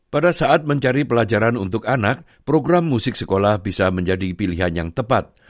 pada saat mencari pelajaran untuk anak program musik sekolah bisa menjadi pilihan yang tepat